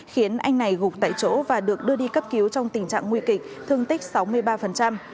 khiến anh này gục tại chỗ và được đưa đi cấp cứu trong tình trạng nguy kịch thương tích sáu mươi ba